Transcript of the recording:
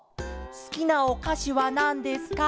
すきなおかしはなんですか？